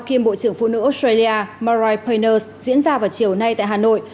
kiêm bộ trưởng phụ nữ australia mariah payneurs diễn ra vào chiều nay tại hà nội